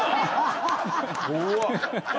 怖っ。